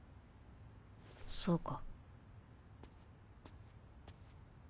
そうか。